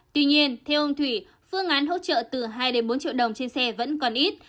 tuy nhiên theo ông thủy phương án hỗ trợ từ hai đến bốn triệu đồng trên xe vẫn còn ít